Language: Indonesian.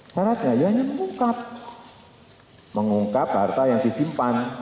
syaratnya hanya mengungkap mengungkap harta yang disimpan